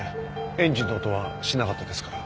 エンジンの音はしなかったですから。